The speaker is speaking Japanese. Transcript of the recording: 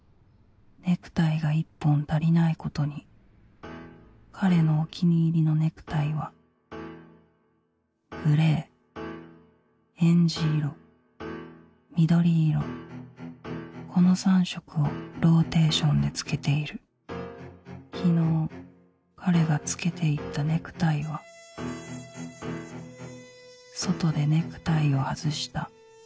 ネクタイが１本足りないことに彼のお気に入りのネクタイはグレー臙脂色緑色この３色をローテーションでつけている昨日彼がつけていったネクタイは外でネクタイを外した。